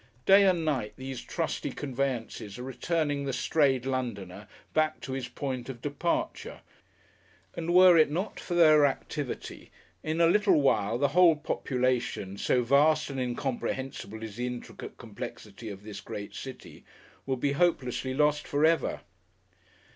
Day and night these trusty conveyances are returning the strayed Londoner back to his point of departure, and were it not for their activity in a little while the whole population, so vast and incomprehensible is the intricate complexity of this great city, would be hopelessly lost forever.